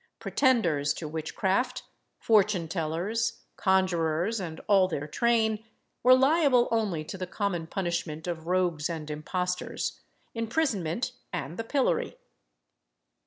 Pretenders to witchcraft, fortune tellers, conjurors, and all their train, were liable only to the common punishment of rogues and impostors imprisonment and the pillory.